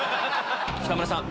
北村さん